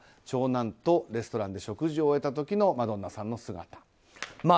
長男とレストランで食事を終えた時のマドンナさんの姿。